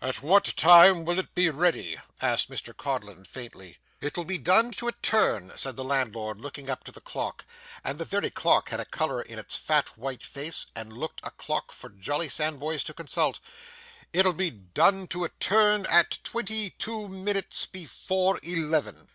'At what time will it be ready?' asked Mr Codlin faintly. 'It'll be done to a turn,' said the landlord looking up to the clock and the very clock had a colour in its fat white face, and looked a clock for jolly Sandboys to consult 'it'll be done to a turn at twenty two minutes before eleven.